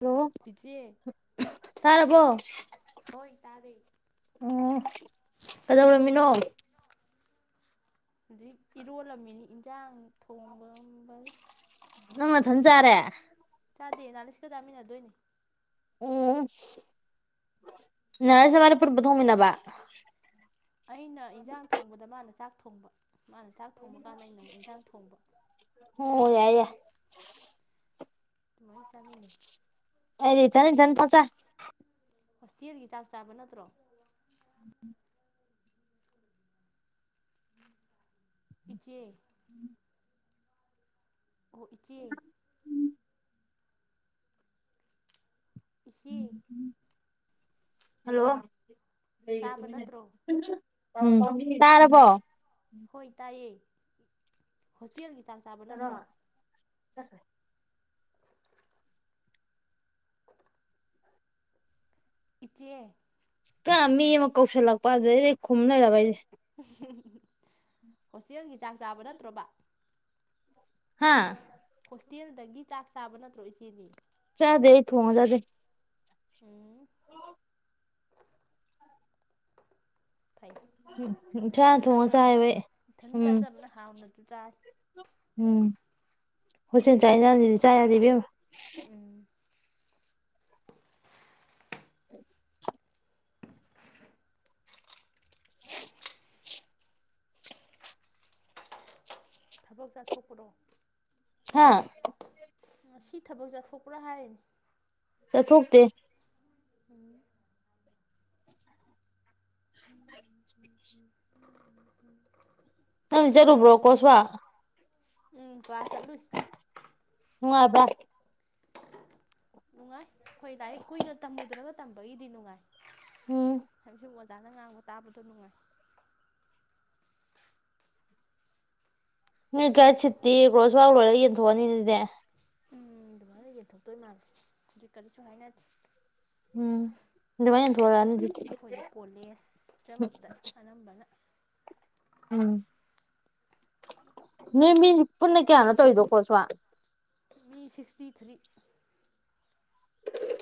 hello ꯏꯆꯦ ꯇꯥꯔꯕꯣ ꯍꯣꯏ ꯇꯥꯔꯦ [inaudible] ꯎꯝ ꯀꯗꯧꯔꯝꯃꯤꯅꯣ ꯑꯗꯩ ꯏꯔꯣꯜꯂꯝꯃꯤꯅꯤ ꯏꯟꯁꯥꯡ ꯊꯣꯡꯕ ꯕ ꯅꯪ ꯅꯊꯟ ꯆꯥꯔꯦ ꯆꯥꯗꯦ ꯑꯦꯅꯥꯂꯤꯁꯒ ꯆꯥꯃꯤꯟꯅꯗꯣꯏꯅꯤ ꯎꯝ ꯑꯦꯅꯂꯤꯁ ꯅꯕꯤꯟꯅꯤ ꯄꯨꯟ ꯄꯨꯟ ꯊꯣꯡꯃꯤꯟꯅꯕ ꯑꯩꯅ ꯏꯟꯖꯥꯡ ꯊꯣꯡꯕꯗ ꯃꯥꯅ ꯆꯥꯛ ꯊꯣꯡꯕ ꯃꯥꯅ ꯆꯥꯛ ꯊꯣꯡꯕ ꯀꯥꯟꯗ ꯑꯩꯅ ꯑꯃꯨꯛ ꯌꯦꯟꯖꯥꯡ ꯊꯣꯡꯕ ꯍꯣ ꯑꯣ ꯌꯥꯏ ꯌꯥꯏ ꯆꯥꯃꯤꯟꯅꯩ ꯑꯩꯗꯤ ꯏꯊꯟ ꯏꯊꯟ ꯄꯆꯥꯏ ꯍꯣꯁꯇꯦꯜꯒꯤ ꯆꯥꯛ ꯆꯥꯕ ꯅꯠꯇ꯭ꯔꯣ [inaudible] ꯏꯆꯦ [inaudible] ꯑꯣ ꯏꯆꯦ ꯏꯆꯦ [inaudible] ꯍꯜꯂꯣ ꯂꯩꯒ ꯇꯥꯕ ꯇꯨꯃꯤꯟꯅꯩ ꯅꯠꯇ꯭ꯔꯣ ꯎꯝ ꯇꯥꯔꯕꯣ ꯍꯣꯏ ꯇꯥꯏꯌꯦ ꯍꯣꯁꯇꯦꯜ ꯆꯥꯛ ꯆꯥꯕ ꯅꯠꯇ꯭ꯔꯣ ꯆꯠꯈ꯭ꯔꯦ ꯏꯆꯦ ꯀ ꯃꯤ ꯑꯃ ꯀꯧꯁꯜꯂꯛꯄ ꯑꯗꯨꯗꯩꯗꯤ ꯑꯩ ꯈꯨꯝ ꯂꯩꯔꯕ ꯑꯩꯁꯦ [inaudible] ꯍꯣꯁꯇꯦꯜꯒꯤ ꯆꯥꯛ ꯆꯥꯕ ꯅꯠꯇ꯭ꯔꯣꯕ ꯍꯥꯥ ꯍꯣꯁꯇꯦꯜꯗꯒꯤ ꯆꯥꯛ ꯆꯥꯕ ꯅꯠꯇ꯭ꯔꯣ ꯏꯆꯦꯗꯤ ꯆꯥꯗꯦ ꯑꯩ ꯊꯣꯡꯉ ꯆꯥꯖꯩ ꯎꯝ ꯐꯩ ꯏꯁꯥꯅ ꯏꯊꯣꯟ ꯊꯣꯡꯉ ꯆꯥꯖꯕꯅ ꯆꯥꯏꯌꯦꯕ ꯑꯩ ꯏꯊꯟ ꯎꯝ ꯆꯥꯖꯕꯅ ꯍꯥꯎꯅꯁꯨ ꯆꯥꯏ ꯍꯣꯁꯇꯦꯜ ꯆꯥꯛ ꯍꯦꯟꯖꯥꯡ ꯁꯤꯗꯤ ꯆꯥ ꯌꯥꯗꯦ ꯢꯕꯦꯝꯃꯥ ꯎꯝ ꯊꯕꯛ ꯆꯠꯊꯣꯛꯄ꯭ꯔꯣ ꯍꯥꯥ ꯉꯥꯁꯤ ꯊꯕꯛ ꯆꯠꯊꯣꯛꯄ꯭ꯔꯥ ꯍꯥꯏꯔꯤꯅꯤ ꯆꯠꯊꯣꯛꯇꯦ ꯎꯝ ꯎꯝ ꯍꯝꯍꯝ ꯎꯝ ꯍꯝ ꯅꯪꯗꯤ ꯆꯠꯂꯨꯕ꯭ꯔꯣ ꯀꯣꯔꯁ ꯋꯥꯔꯛ ꯎꯝ ꯀ꯭ꯂꯥꯁ ꯆꯠꯂꯨꯢ ꯑꯣ ꯅꯨꯡꯉꯥꯏ ꯍꯣꯏ ꯂꯥꯏꯔꯤꯛ ꯀꯨꯏꯅ ꯇꯝꯃꯨꯗ꯭ꯔꯒ ꯇꯝꯕꯒꯤꯗꯤ ꯅꯨꯡꯉꯥꯏ ꯎꯝ [unintelligible] ꯑꯣꯖꯥꯅ ꯉꯥꯡꯕ ꯇꯥꯕꯗꯣ ꯅꯨꯡꯉꯥꯏ ꯅꯣꯢ ꯒꯥꯢꯠ ꯁꯤꯠꯇꯤ ꯀꯣꯔꯁ ꯋꯥꯔꯛ ꯂꯣꯏꯔꯒ ꯌꯦꯟꯊꯣꯛꯑꯅꯤ ꯑꯗꯨꯗꯤ ꯎꯝ ꯑꯗꯨꯃꯥꯏꯅ ꯌꯦꯟꯊꯣꯛꯇꯣꯏ ꯃꯥꯜꯂꯦ ꯍꯧꯖꯤꯛ ꯀꯔꯤꯁꯨ ꯍꯥꯏꯅꯗꯦ ꯎꯝ ꯑꯗꯨꯃꯥꯏꯅ ꯊꯣꯛꯂꯛꯑꯅꯤ ꯑꯗꯨꯗꯤ ꯑꯩꯈꯣꯏꯗꯤ ꯀꯣꯂꯦꯖ ꯇꯃꯛꯇ ꯑꯅꯝꯕꯅ ꯎꯝ ꯅꯣꯏ ꯃꯤ ꯄꯨꯟꯅ ꯀꯌꯥꯅꯣ ꯇꯧꯔꯤꯗꯣ ꯀꯔꯣꯁ ꯋꯥ꯭ꯔꯛ ꯃꯤ ꯁꯤꯛꯁꯇꯤ ꯊ꯭ꯔꯤ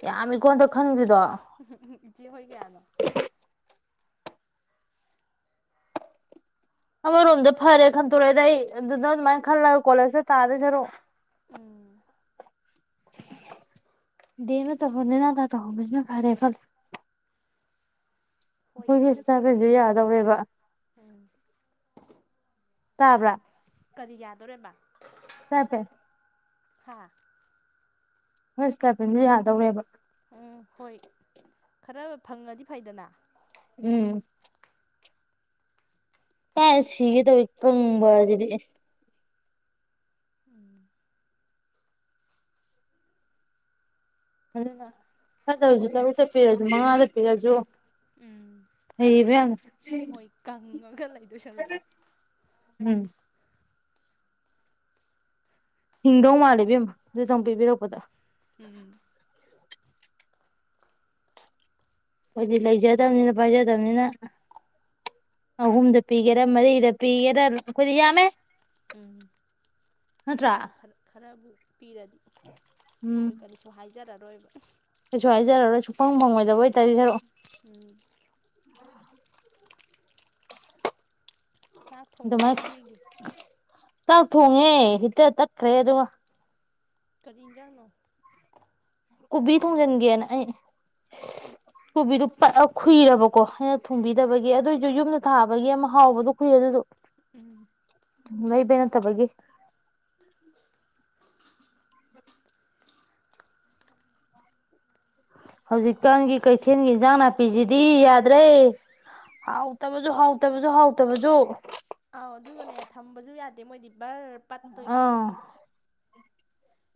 ꯌꯥꯝꯃꯦꯀꯣ ꯍꯟꯗꯛ ꯈꯟꯒ꯭ꯔꯤꯗꯣ ꯎꯝ ꯍꯨ ꯎꯝ ꯍꯨ ꯢꯆꯦ ꯍꯣꯏ ꯀꯌꯥꯅꯣ ꯑꯃꯔꯣꯝꯗ ꯐꯔꯦ ꯈꯟꯇꯣꯔꯛꯑꯦꯗ ꯑꯩ ꯑꯗꯨꯗ ꯑꯗꯨꯃꯥꯏꯅ ꯈꯜꯂꯒ ꯀꯣꯂꯦꯖꯇ ꯇꯥꯗꯣꯢ ꯁꯔꯨꯛ ꯎꯝ ꯗꯦꯃꯗ ꯇꯧꯍꯧ ꯅꯦꯅꯥꯇꯥꯅ ꯇꯧꯍꯧꯕꯁꯤꯅ ꯐꯔꯦ ꯈꯜ ꯍꯣꯏ ꯑꯩꯈꯣꯏꯒꯤ ꯐꯩ ꯁꯇꯥꯢꯄꯦꯟꯖꯦ ꯌꯥꯗꯧꯔꯦꯕ ꯎꯝ ꯇꯥꯕ꯭ꯔꯥ ꯀꯔꯤ ꯌꯥꯗꯧꯔꯦꯕ ꯏꯁꯇꯥꯏꯄꯦꯟ ꯍꯥꯥ ꯑꯈꯣꯢ ꯁꯇꯥꯏꯄꯦꯟꯗꯣ ꯌꯥꯗꯧꯔꯦꯕ ꯎꯝ ꯍꯣꯏ ꯈꯔ ꯐꯪꯉꯥꯗꯤ ꯐꯩꯗꯅ ꯎꯝ ꯀꯥꯏ ꯁꯤꯒꯦ ꯇꯧꯋꯤ ꯀꯪꯕꯁꯤꯗꯤ ꯎꯝ ꯑꯗꯨꯅ ꯐꯠꯇꯧꯁꯤ ꯇꯔꯨꯛꯇ ꯄꯤꯔꯁꯨ ꯃꯉꯥꯗ ꯄꯤꯔꯛꯑꯁꯨ ꯎꯝ ꯍꯩꯌꯦꯕ ꯌꯥꯝꯅ ꯍꯣꯏ ꯀꯪꯉꯒ ꯂꯩꯗꯣꯏ ꯁꯔꯨꯛ ꯎꯝ ꯍꯤꯡꯗꯧ ꯃꯥꯜꯂꯦ ꯢꯕꯦꯝꯃꯥ ꯑꯗꯨꯇꯪ ꯄꯤꯕꯤꯔꯛꯄꯗ ꯎꯝ ꯑꯩꯈꯣꯏꯗꯤ ꯂꯩꯖꯗꯕꯅꯤꯅ ꯄꯥꯏꯖꯗꯕꯅꯤꯅ ꯑꯍꯨꯝꯗ ꯄꯤꯒꯦꯔꯥ ꯃꯔꯤꯗ ꯄꯤꯒꯦꯔꯥ ꯑꯩꯈꯣꯏꯗꯤ ꯌꯥꯝꯃꯦ ꯎꯝ ꯍꯣꯏ ꯅꯠꯇ꯭ꯔꯥ ꯈꯔ ꯈꯔꯕꯨ ꯄꯤꯔꯗꯤ ꯎꯝ ꯑꯩꯈꯣꯏ ꯀꯔꯤꯁꯨ ꯍꯥꯏ ꯖꯔꯔꯣꯏꯕ ꯀꯩꯁꯨ ꯍꯥꯏꯖꯔꯔꯣꯏ ꯁꯨꯡꯐꯪ ꯐꯪꯉꯣꯏꯗꯕꯩ ꯇꯥꯔꯗꯤ ꯁꯔꯨꯛ ꯎꯝ [inaudible] ꯆꯥꯛ ꯊꯣꯡꯉꯕꯣ ꯑꯗꯨꯃꯥꯏꯅ ꯏꯆꯦꯒꯤ ꯆꯥꯛ ꯊꯣꯡꯉꯦ ꯍꯤꯇꯔ ꯇꯠꯈ꯭ꯔꯦ ꯑꯗꯨꯒ ꯀꯔꯤ ꯖꯥꯡꯅꯣ ꯀꯣꯕꯤ ꯊꯣꯡꯖꯤꯟꯒꯦꯅ ꯑꯩ ꯀꯣꯕꯤꯗꯨ ꯄꯠ ꯈꯨꯨꯏꯔꯕ ꯀꯣ ꯍꯟꯅ ꯊꯣꯡꯕꯤꯗꯕꯒꯤ ꯑꯗꯨꯑꯣꯏꯁꯨ ꯌꯨꯝꯅ ꯊꯥꯕꯒꯤ ꯑꯃ ꯍꯥꯎꯕꯗꯣ ꯀꯨꯏꯔꯦ ꯑꯗꯨꯗꯣ ꯃꯩꯕꯦꯅꯠꯇꯕꯒꯤ ꯍꯧꯖꯤꯛꯀꯥꯟꯒꯤ ꯀꯩꯊꯦꯜꯒꯤ ꯏꯟꯖꯥꯡ ꯅꯥꯄꯤꯁꯤꯗꯤ ꯌꯥꯗ꯭ꯔꯦ ꯍꯥꯎꯇꯕꯁꯨ ꯍꯥꯎꯇꯕꯁꯨ ꯍꯥꯎꯇꯕꯁꯨ ꯑꯥꯎ ꯑꯗꯨꯒꯅꯦ ꯊꯝꯕꯁꯨ ꯌꯥꯗꯦ ꯃꯣꯏꯗꯤ ꯕꯔ ꯄꯠꯇꯨꯏꯒꯤ ꯑꯥ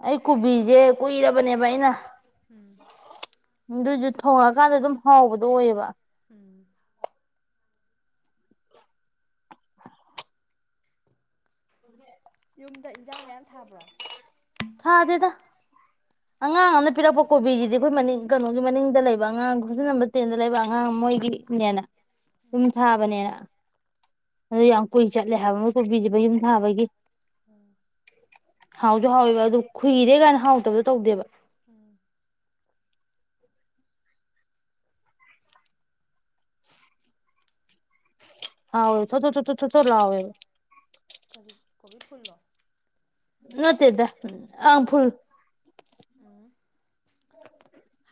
ꯑꯩ ꯀꯣꯕꯤꯁꯦ ꯀꯨꯏꯔꯕꯅꯦꯕ ꯑꯩꯅ ꯎꯝ ꯑꯗꯨꯁꯨ ꯊꯣꯡꯉꯀꯥꯟꯗ ꯑꯗꯨꯝ ꯍꯥꯎꯕꯗꯣ ꯑꯣꯏꯌꯦꯕ ꯥ [inaudible] ꯌꯨꯝꯗ ꯏꯟꯖꯥꯡ ꯃꯌꯥꯝ ꯊꯥꯕ꯭ꯔꯣ ꯊꯥꯗꯦꯗ ꯑꯉꯥꯡ ꯑꯃꯅ ꯄꯤꯔꯛꯄ ꯀꯣꯕꯤꯁꯤꯗꯤ ꯑꯩꯈꯣꯏ ꯃꯅꯤꯡ ꯀꯩꯅꯣꯒꯤ ꯃꯅꯤꯡꯗ ꯂꯩꯕ ꯑꯉꯥꯡ ꯍꯣꯁꯇꯦꯜ ꯅꯝꯕꯔ ꯇꯦꯟꯗ ꯂꯩꯕ ꯑꯉꯥꯡ ꯃꯣꯏꯒꯤꯅꯦꯅ ꯌꯨꯝ ꯊꯥꯕꯅꯦꯅ ꯑꯗꯨ ꯌꯥꯝ ꯀꯨꯏ ꯆꯠꯂꯦ ꯍꯥꯏꯕ ꯃꯣꯏ ꯀꯣꯕꯤꯁꯤ ꯃꯌꯨꯝ ꯊꯥꯕꯒꯤ ꯎꯝ ꯍꯥꯎꯁꯨ ꯍꯥꯎꯋꯦꯕ ꯑꯗꯨ ꯈꯨꯏꯔꯦ ꯀꯥꯏ ꯍꯥꯎꯇ [inaudible] ꯎꯝ ꯍꯥꯎꯋꯦ ꯊꯣꯠ ꯊꯣꯠ ꯊꯣꯠ ꯊꯣꯠ ꯊꯣꯠ ꯂꯥꯎꯋꯦ ꯀꯔꯤ ꯀꯣꯕꯤ ꯐꯨꯜꯂꯣ ꯅꯠꯇꯦꯗ ꯑ ꯐꯨꯜ ꯎꯝ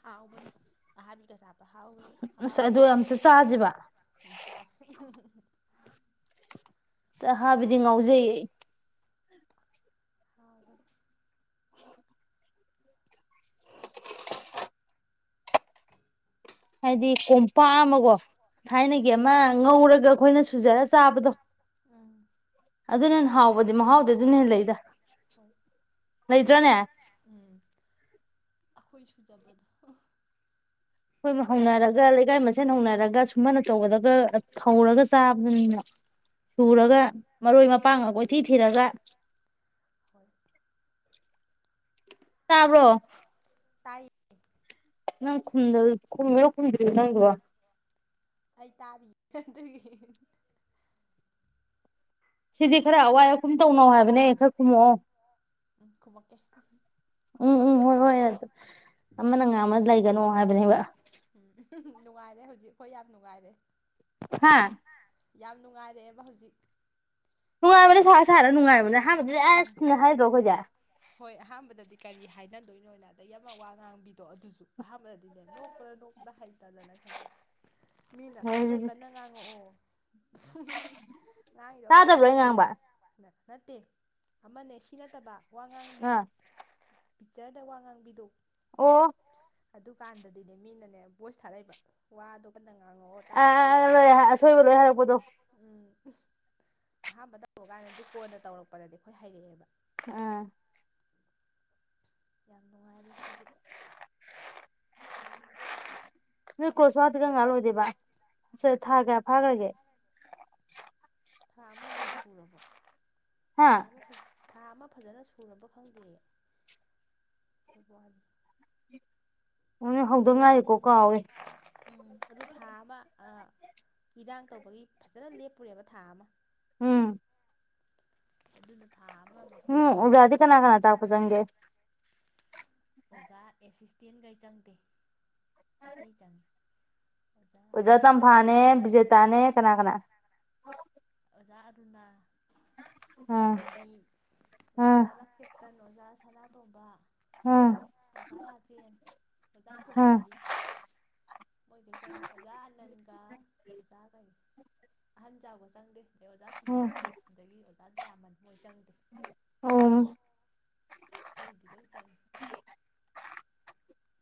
ꯍꯥꯎꯕꯅꯦ ꯑꯍꯥꯕꯤ ꯀꯁꯥ ꯑꯁ ꯑꯗꯨ ꯑꯝꯇ ꯆꯥꯁꯤꯕ [unintelligible] ꯑꯍꯥꯏꯕꯤꯗꯤ ꯍꯥꯎꯅꯤ ꯉꯥꯎꯖꯩꯌꯦ [unintelligible] ꯍꯥꯏꯗꯤ ꯀꯣꯝꯄꯥꯛ ꯑꯃ ꯀꯣ ꯊꯥꯏꯅꯒꯤ ꯑꯃ ꯉꯧꯔꯒ ꯑꯩꯈꯣꯏꯅ ꯁꯨꯖꯔ ꯆꯥꯕꯗꯣ ꯑꯗꯨꯅꯍꯦꯟ ꯍꯥꯎꯕꯗꯤ ꯃꯍꯥꯎꯗꯤ ꯑꯗꯨꯅ ꯍꯦ ꯂꯩꯗ ꯍꯣꯏ ꯂꯩꯇ꯭ꯔꯅꯦ ꯎꯝ [unintelligible] ꯑꯩꯈꯣꯏ ꯃꯍꯧꯅꯔ ꯂꯩꯀꯥꯏ ꯃꯁꯦꯟ ꯍꯧꯅꯔꯒ ꯁꯨꯃꯟ ꯑꯆꯧꯕꯗꯒ ꯊꯧꯔꯒ ꯆꯥꯕꯗꯨꯅꯤꯅ ꯁꯨꯔꯒ ꯎꯝ ꯃꯔꯣꯏ ꯃꯄꯥꯡꯒ ꯀꯣꯏꯊꯤ ꯊꯤꯔꯒ ꯍꯣꯏ ꯇꯥꯕ꯭ꯔꯣ ꯇꯥꯏ ꯅꯪ ꯈꯨꯝꯗ ꯈꯨꯝꯃꯤꯔꯣ ꯈꯨꯝꯗ꯭ꯔꯤꯔꯣ ꯅꯪꯗꯨꯕꯣ ꯑꯩ ꯇꯥꯅꯤ [inaudible] ꯑꯗꯨꯏ ꯁꯤꯗꯤ ꯈꯔ ꯑꯋꯥꯏ ꯑꯀꯨꯝ ꯇꯧꯅꯧ ꯍꯥꯏꯕꯅꯦ ꯈꯔ ꯈꯨꯝꯃꯛꯑꯣ ꯎꯝ ꯈꯨꯝꯃꯛꯀꯦ ꯎꯝ ꯎꯝ ꯍꯣꯏ ꯍꯣꯏ ꯑꯗꯨ ꯑꯃꯅ ꯉꯥꯡꯕ ꯂꯩ ꯅꯣ ꯍꯥꯏꯕꯅꯦꯕ ꯎꯝ ꯅꯨꯡꯉꯥꯏꯔꯦ ꯍꯧꯖꯤꯛ ꯑꯩꯈꯣꯏ ꯌꯥꯝ ꯅꯨꯡꯉꯥꯏꯔꯦ ꯍꯥꯥ ꯌꯥꯝ ꯅꯨꯡꯉꯥꯏꯔꯛꯑꯦꯕ ꯍꯧꯖꯤꯛ ꯑꯩꯈꯣꯏ ꯅꯨꯡꯉꯥꯏꯕꯅꯦ ꯋꯥꯔꯤ ꯁꯥꯔꯥ ꯁꯥꯔꯥ ꯅꯨꯡꯉꯥꯏꯕꯅꯦ ꯑꯍꯟꯕꯗꯗꯤ ꯑꯁ ꯎꯝ ꯅ ꯍꯥꯏꯗ꯭ꯔꯣ ꯑꯩꯈꯣꯏꯖꯦ ꯗꯩꯩ ꯑꯃ ꯋꯥꯉꯥꯡꯕꯤꯗꯣ ꯑꯗꯨꯁꯨ ꯑꯍꯥꯟꯕꯗꯗꯤꯅꯦ ꯅꯣꯛ ꯅꯣꯛꯄꯗ ꯅꯣꯛꯄꯗ ꯍꯩ ꯃꯤꯅ ꯈꯔ ꯑꯩꯈꯣꯏꯁꯦ ꯀꯟꯅ ꯉꯥꯡꯉꯛꯑꯣ [inaudible] ꯉꯥꯡꯉꯤꯗꯣ ꯑꯝꯇ ꯇꯥꯗꯕ꯭ꯔꯣ ꯑꯩ ꯇꯥꯗ꯭ꯔꯦ ꯉꯥꯡꯕ ꯅꯠꯇꯦ ꯑꯃꯅꯦ ꯁꯤ ꯅꯠꯇꯕ ꯋꯉꯥꯡꯕꯤ ꯑꯥ ꯄꯤꯛꯆꯔꯗ ꯋꯥ ꯉꯥꯡꯕꯤꯗꯣ ꯑꯣ ꯑꯗꯨꯀꯥꯟꯗꯗꯤ ꯑꯗꯨꯗ ꯃꯤꯅꯅꯦ ꯚꯣꯏꯁ ꯊꯥꯔꯛꯏꯕ ꯋꯥꯗꯣ ꯀꯟꯅ ꯉꯥꯡꯉꯛꯑꯣ ꯑ ꯇꯥꯗ꯭ꯔꯦ ꯇꯧꯗꯅ ꯑꯥ ꯑꯁꯣꯏꯕ ꯂꯣꯏ ꯍꯥꯏꯔꯛꯄꯗꯣ ꯑꯍꯥꯥꯟꯕ ꯇꯧꯕ ꯀꯥꯟꯗꯗꯤ ꯀꯣꯟꯅ ꯇꯧꯔꯛꯄꯗꯗꯤ ꯑꯩꯈꯣꯏ ꯍꯩꯔꯛꯑꯦꯕ ꯑꯥ ꯌꯥꯝ ꯅꯨꯡꯉꯥꯏꯔꯦ ꯁꯤꯖꯨ ꯅꯣꯏ ꯀ꯭ꯔꯣꯁ ꯋꯥꯔꯛꯇꯤ ꯀꯝꯀꯥꯟ ꯂꯣꯏꯗꯣꯏꯕ ꯊꯥ ꯀꯌꯥ ꯐꯥꯈ꯭ꯔꯒꯦ ꯊꯥ ꯑꯃꯕꯨ ꯁꯨꯔꯕꯣ ꯊꯥ ꯍꯥ ꯑꯃ ꯍꯨꯖꯤꯛ ꯊꯥ ꯃ ꯐꯖꯅ ꯁꯨꯔꯕ ꯈꯪꯗꯦ [inaudible] ꯅꯣꯏ ꯍꯧꯗ ꯐꯦꯕꯋꯥꯔꯤ ꯉꯥꯏꯔꯤꯀꯣ ꯀꯥꯎꯋꯦ ꯎꯝ ꯑꯗꯨ ꯊꯥ ꯑꯃ ꯑ ꯏꯔꯥꯡ ꯇꯧꯕꯒꯤ ꯐꯖꯅ ꯂꯦꯞꯄꯨꯔꯦꯕ ꯊꯥ ꯑꯃ ꯎꯝ ꯑꯗꯨ [unintelligible] ꯊꯥ ꯑꯃ ꯃꯄꯨꯡ ꯎꯝ ꯐꯖꯅ ꯑꯣꯖꯥꯗꯤ ꯀꯅꯥ ꯐꯔꯝꯒꯗ꯭ꯔ ꯀꯅꯥ ꯇꯥꯛꯄ ꯆꯪꯒꯦ ꯑꯣꯖꯥ ꯑꯦꯁꯤꯁ ꯇꯦꯟꯈꯩ ꯆꯪꯗꯦ ꯑꯇꯩ ꯆꯪꯉꯤ ꯑꯣꯖꯥ ꯇꯝꯐꯥꯅꯦ ꯕꯤꯖꯦꯇꯥꯅꯦ ꯀꯅꯥ ꯀꯅꯥ ꯑꯣꯖꯥ ꯑꯔꯨꯅ ꯎꯝ ꯁꯅꯥꯇꯣꯝꯕꯤ ꯑꯗꯩ ꯎꯝ ꯑꯣꯖꯥ ꯔꯥꯁꯀꯦꯇꯟ ꯑꯣꯖꯥ ꯁꯅꯥꯇꯣꯝꯕ ꯎꯝ ꯑꯣꯖꯥ ꯔꯥꯖꯦꯟ ꯑꯣꯖꯥ ꯎꯝ ꯀꯨꯃꯥꯔꯤ ꯃꯣꯏꯗꯩ ꯆꯪꯑꯦ ꯑꯣꯖꯥ ꯑꯅꯟꯒ ꯑꯣꯖꯥ ꯀꯩ ꯑꯍꯟ ꯖꯥꯎꯒ ꯆꯪꯑꯦ ꯆꯪꯗꯦ ꯑꯣꯖꯥ ꯎꯝ ꯁꯨꯕꯥꯁ ꯑꯗꯒꯤ ꯗ ꯗꯥꯌꯟꯃꯥꯟ ꯍꯣꯏ ꯆꯥꯡ ꯑꯣ ꯑꯇꯩꯗꯤ ꯂꯣꯏ ꯆꯪꯉꯤ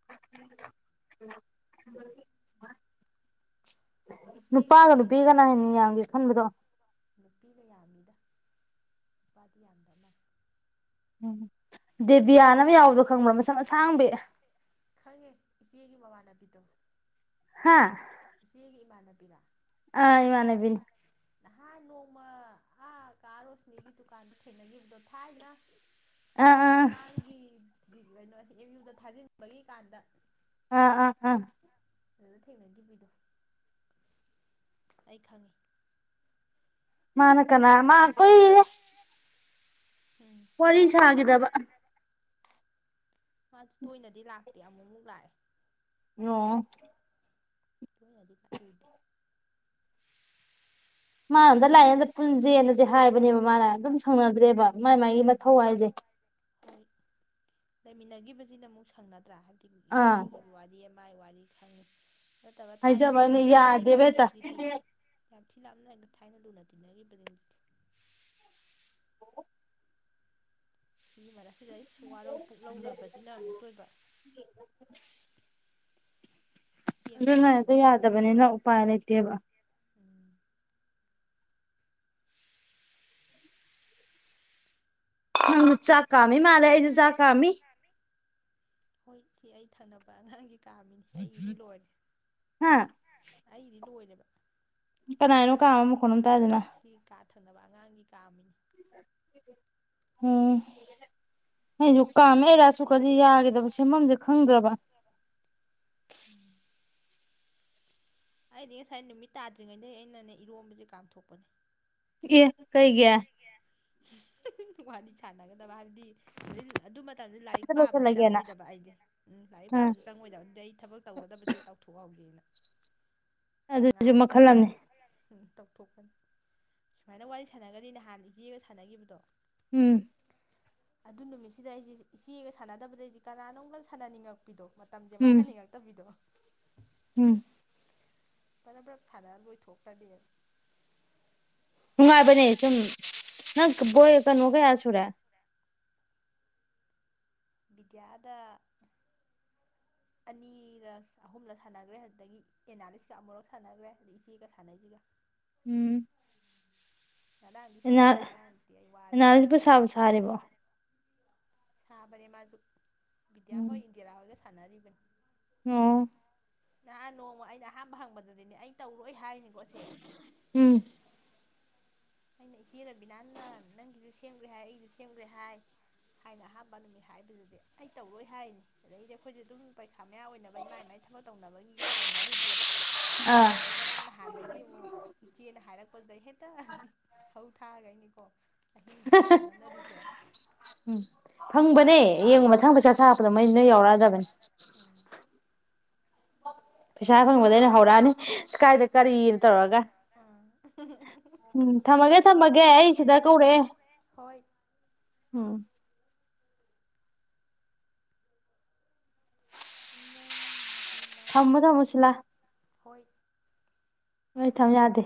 [unintelligible] ꯏꯆꯦꯒꯤ ꯅꯨꯄꯥꯒ ꯀꯔꯤꯗ ꯅꯨꯄꯤꯒꯅ ꯍꯦꯟꯅ ꯌꯥꯡꯒꯦ ꯈꯟꯕꯗꯣ ꯅꯨꯄꯤꯅ ꯌꯥꯝꯃꯤꯗ ꯅꯨꯄꯥꯗꯤ ꯌꯥꯝꯗꯅ ꯎꯝ ꯗꯦꯕꯤꯌꯥꯅ ꯑꯃ ꯌꯥꯎꯕꯗꯣ ꯈꯪꯕ꯭ꯔꯥ ꯃꯁꯝ ꯑꯁꯥꯡꯕꯤ ꯈꯪꯉꯦ ꯏꯆꯦꯒꯤ ꯃꯃꯥꯟꯅꯕꯤꯗꯣ ꯍꯥ ꯏꯆꯦꯒꯤ ꯏꯃꯥꯟꯅꯕꯤ ꯕꯤ ꯑꯥ ꯏꯃꯅꯕꯤꯅꯤ ꯎꯃ ꯑꯥ ꯀꯥ ꯔꯣꯁꯅꯦꯒꯤ ꯗꯨꯀꯥꯟꯗ ꯊꯦꯡꯅꯈꯤꯕꯗꯣ ꯊꯥꯏꯅ ꯑꯥ ꯑꯥ ꯃꯃꯥꯡꯒꯤ ꯑꯗꯨꯗꯨꯅ ꯅꯣꯏ ꯑꯦꯝ ꯌꯨꯗ ꯊꯥꯖꯤꯟ ꯕꯒꯤ ꯀꯥꯥꯟꯗ ꯑꯥ ꯑꯥ ꯑꯗꯨ ꯊꯦꯡꯅꯈꯤꯕꯤꯗꯣ ꯑꯗꯨꯗꯣ ꯑꯩ ꯈꯪꯉꯤ ꯃꯥꯅ ꯀꯅꯥ ꯃꯥ ꯀꯨꯢꯔꯦ ꯋꯥꯔꯤ ꯁꯥꯈꯤꯗꯕ ꯃꯥꯗꯤ ꯇꯣꯏꯅꯗꯤ ꯂꯥꯛꯇꯦ ꯑꯃꯨꯛꯃꯨꯛ ꯂꯥꯛꯑꯦ ꯅꯣ ꯄꯨꯟꯅꯗꯤ ꯎꯗꯦ ꯃꯥ ꯑꯝꯇ ꯂꯥꯛꯏ ꯁꯨꯡꯂꯥꯛ ꯑꯝꯗ ꯄꯨꯟꯖꯦꯅꯗꯤ ꯍꯥꯏꯕꯅꯦꯕ ꯃꯥꯅ ꯑꯗꯨꯝ ꯁꯧꯅꯗ꯭ꯔꯦꯕ ꯃꯥꯏ ꯃꯥꯒꯤ ꯎꯝ ꯃꯊꯧ ꯍꯥꯏꯁꯦ ꯍꯣꯏ ꯂꯩꯃꯤꯟꯅꯈꯤꯕꯁꯤꯅ ꯑꯃꯨꯛ ꯁꯪꯅ ꯅꯨꯔꯥ ꯍꯩꯒꯤ ꯅꯨꯃꯤꯠꯂꯩ ꯑꯥ ꯑꯩꯒꯤ ꯋꯥꯔꯤ ꯃꯥꯏ ꯋꯥꯔꯤ ꯈꯪꯏ ꯅꯠꯇꯕ ꯊꯥꯏꯅ ꯂꯨꯅ ꯍꯥꯏꯖꯕꯅꯤ ꯌꯥꯗꯦꯕ ꯍꯦꯛꯇ ꯇꯤꯟꯅꯈꯤꯕꯒꯤꯁꯤꯗꯤ ꯌꯥꯥꯝ ꯊꯤ ꯂꯞꯅꯩꯒ ꯊꯥꯏꯅ ꯂꯨꯅ ꯇꯤꯟꯅꯒꯤꯕꯗꯣ ꯍꯧꯖꯤꯛꯇꯤ ꯁꯤꯒꯤ ꯃꯔꯛ ꯁꯤꯗꯩ ꯋꯥꯔꯧ ꯄꯨꯛ ꯂꯧꯅꯕꯁꯤꯅ ꯑꯃꯨꯛꯇ ꯑꯣꯏꯕ ꯑꯗꯨꯅꯗ ꯄꯦꯟꯅꯗꯗꯅ ꯌꯥꯗꯕꯅꯤꯅ ꯎꯄꯥꯏ ꯂꯩꯇꯦꯕ ꯎꯝ ꯎꯝ ꯆꯥꯛꯀꯥꯝꯃꯤ ꯃꯥꯂꯦ ꯑꯩꯁꯨ ꯆꯥꯛꯀꯥꯝꯃꯤ ꯍꯣꯏ ꯁꯤ ꯑꯩ ꯊꯥꯅꯕ ꯑꯉꯥꯡꯒꯤ ꯀꯥꯝꯃꯤꯅꯤ ꯑꯩꯒꯤꯗꯤ ꯂꯣꯏꯔꯦ ꯍꯥ ꯑꯩꯒꯤꯗꯤ ꯂꯣꯏꯔꯦꯕ ꯀꯅꯥꯏꯅꯣ ꯀꯥꯝꯕ ꯃꯈꯣꯜꯃ ꯇꯥꯏꯗꯨꯅ ꯅꯕ ꯑꯉꯥꯡꯒꯤ ꯀꯥꯝꯃꯤꯅꯤ ꯎꯝ ꯑꯩꯁꯨ ꯀꯥꯝꯃꯦ ꯔꯥꯏꯁ ꯀꯨꯀꯔ ꯌꯥꯒꯤꯗꯕ ꯁꯦꯝꯐꯝꯁꯦ ꯈꯪꯗ꯭ꯔꯕ ꯎꯝ [inaudible] ꯑꯩꯗꯤ ꯉꯁꯥꯏ ꯅꯨꯃꯤꯠ ꯇꯥꯗ꯭ꯔꯤꯉꯩꯗ ꯑꯩꯅꯅꯦ ꯏꯔꯣꯝꯕꯁꯦ ꯀꯥꯝꯊꯣꯛꯄꯅꯦ ꯏ ꯀꯩꯒꯤ [inaudible] ꯋꯥꯔꯤ ꯁꯥꯟꯅꯒꯗꯕ ꯍꯥꯏꯕꯗꯤ ꯑꯗꯨ ꯃ ꯂꯥꯏꯔꯤꯛ ꯄꯥꯕꯗꯤ ꯂꯣꯏꯁꯤꯜꯂꯒꯦꯅ ꯆꯪꯉꯣꯏꯗꯕ ꯑꯩꯗꯤ ꯎꯝ ꯂꯥꯏꯔꯤꯛ ꯑꯥ ꯄꯥꯕꯁꯨ ꯆꯪꯉꯣꯏꯗꯕ ꯑꯗꯨꯗꯩ ꯑꯩ ꯊꯕꯛ ꯇꯧꯒꯗꯕꯁꯦ ꯇꯧꯊꯣꯛꯍꯧ ꯑꯗꯨꯁꯨ ꯃꯈꯜ ꯑꯝꯅꯤ ꯇꯧꯊꯣꯛꯄꯅꯤ ꯁꯨꯃꯥꯏꯅ ꯋꯥꯔꯤ ꯁꯥꯟꯅꯒ꯭ꯔꯗꯤ ꯅꯍꯥꯟ ꯏꯆꯦꯒ ꯁꯥꯟꯅꯈꯤꯕꯗꯣ ꯎꯝ ꯑꯗꯨ ꯅꯨꯃꯤꯠꯁꯤꯗ ꯑꯩꯁꯦ ꯏꯆꯦꯒ ꯁꯥꯟꯅꯗꯕꯗꯩꯗꯤ ꯀꯅꯥꯅꯣꯝꯒ ꯁꯥꯟꯅꯅꯤꯡꯉꯛꯄ ꯄꯤꯗꯣ ꯃꯇꯝꯁꯦ ꯎꯝ ꯃꯥꯡꯍꯟꯅꯤꯡꯉꯛꯇꯕꯤꯗꯣ ꯎꯝ ꯄꯔꯞ ꯄꯔꯞ ꯁꯥꯟꯅ ꯂꯣꯏꯊꯣꯛꯇ꯭ꯔꯗꯤ ꯉꯥꯏꯕꯅꯦ ꯁꯨꯝ ꯅꯪꯪ ꯕꯣꯏ ꯀꯩꯅꯣ ꯀꯩꯌꯥ ꯁꯨꯔꯦ ꯕꯤꯗ꯭ꯌꯥꯗ ꯑꯅꯤꯔ ꯑꯍꯨꯝꯂ ꯁꯥꯟꯅꯈ꯭ꯔꯦ ꯑꯗꯨꯗꯒꯤ ꯑꯦꯅꯥꯂꯤꯁꯀ ꯑꯃꯨꯔꯛ ꯁꯥꯟꯅꯈ꯭ꯔꯦ ꯏꯆꯦꯒ ꯁꯥꯟꯅꯩꯁꯤꯒ ꯎꯝ ꯉꯔꯥꯡꯁꯨ ꯑꯦꯅꯥ ꯁꯥꯅꯗꯦ ꯉꯔꯥꯡꯗꯤ ꯑꯩ ꯋꯥꯔꯦꯅ [unintelligible] ꯑꯦꯅꯥꯂꯤꯁꯄꯨ ꯁꯥꯕꯨ ꯁꯥꯔꯤꯕꯣ ꯍꯝ ꯔꯦ ꯃꯥꯁꯨ ꯕꯤꯗ꯭ꯌꯥ ꯍꯣꯏ ꯎꯝ ꯏꯟꯗꯤꯔꯥ ꯍꯣꯏ ꯁꯅꯔꯤꯕꯅꯤ ꯑꯣ ꯅꯍꯥꯟ ꯅꯣꯡꯃ ꯑꯩꯅ ꯑꯍꯥꯟꯕ ꯍꯪꯕꯗꯗꯤꯅꯦ ꯑꯩ ꯇꯧꯔꯣꯏ ꯍꯥꯏꯅꯤ ꯒꯣꯁꯦ ꯎꯝ ꯑꯩꯅ ꯏꯆꯦ ꯔꯕꯤꯅꯥꯟꯅ ꯅꯪꯒꯤꯁꯨ ꯁꯦꯝꯒ꯭ꯔꯦ ꯍꯥꯏ ꯑꯩꯁꯨ ꯁꯦꯝꯒ꯭ꯔꯦ ꯍꯥꯏ ꯍꯥꯏꯅ ꯑꯍꯥꯝꯕ ꯅꯨꯃꯤꯠ ꯍꯥꯏꯕꯗꯨꯗꯤ ꯑꯩ ꯇꯧꯔꯣꯏ ꯍꯥꯏꯅꯤ ꯑꯗꯩꯗꯤ ꯑꯩꯈꯣꯏꯁꯨ ꯑꯗꯨꯝ ꯄꯩꯈꯥ ꯃꯌꯥ ꯑꯣꯏꯅꯕꯩ ꯃꯥꯏ ꯃꯥꯏ ꯊꯕꯛ ꯇꯧꯅꯕꯒꯤ ꯇꯧꯅꯔꯨꯗ꯭ꯔꯦꯕ ꯑꯥ ꯉꯔꯥꯡ ꯅꯍꯥꯟꯗꯒꯤ ꯑꯃꯨꯛ ꯏꯆꯦꯅ ꯍꯥꯏꯔꯛꯄꯗꯨꯗꯩ ꯍꯦꯛꯇ ꯍꯧ ꯊꯥꯒꯅꯤꯀꯣ ꯑꯍꯤꯡꯁꯤꯗ ꯁꯥꯟꯅꯅꯔꯤꯁꯦ ꯐꯪꯕꯅꯦ ꯌꯦꯡꯉꯨ ꯃꯊꯪ ꯄꯩꯁꯥ ꯁꯥꯔꯛꯄꯗ ꯃꯩ ꯅꯣꯏ ꯌꯥꯎꯔꯛꯑꯗꯕꯅꯤ ꯎꯝ ꯄꯩꯁꯥ ꯐꯪꯕꯗ ꯑꯩꯅ ꯍꯧꯔꯛꯑꯅꯤ ꯑꯁ ꯀꯥꯏꯗ ꯀꯔꯤ ꯇꯧꯔꯒ ꯑꯥ ꯎꯝ ꯊꯝꯃꯒꯦ ꯊꯝꯃꯒꯦ ꯑꯩ ꯁꯤꯗ ꯀꯧꯔꯛꯑꯦ ꯍꯣꯏ ꯎꯝ [inaudible] ꯊꯝꯃꯣ ꯊꯝꯃꯣ ꯒꯤꯃꯥꯏꯊꯣꯡ ꯍꯣꯏ ꯍꯣꯏ ꯊꯝ ꯌꯥꯗꯦ